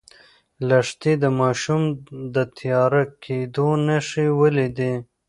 لښتې د ماښام د تیاره کېدو نښې ولیدې.